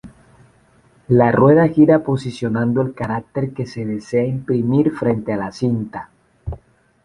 La rueda gira posicionando el carácter que se desea imprimir frente a la cinta.